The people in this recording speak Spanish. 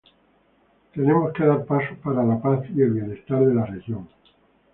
Tenemos que dar pasos para la paz y el bienestar de la región.